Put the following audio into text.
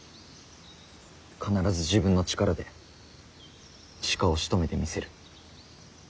必ず自分の力で鹿をしとめてみせる。